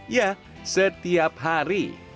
ya setiap hari